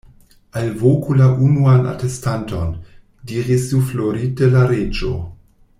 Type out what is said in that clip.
"Alvoku la unuan atestanton," diris suflorite la Reĝo.